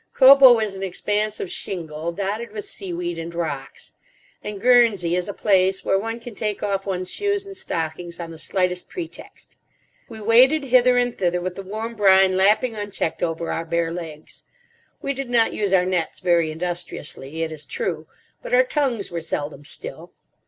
Cobo is an expanse of shingle, dotted with seaweed and rocks; and Guernsey is a place where one can take off one's shoes and stockings on the slightest pretext. We waded hither and thither with the warm brine lapping unchecked over our bare legs. We did not use our nets very industriously, it is true; but our tongues were seldom still.